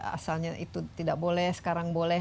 asalnya itu tidak boleh sekarang boleh